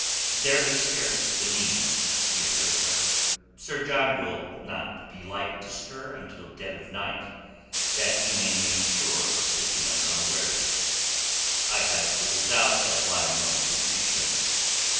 "There is scarce the need," he assured her. "Sir John will not be like to stir until dead of night, that he may make sure of taking us unawares. I have little doubt that Lionel would reach him.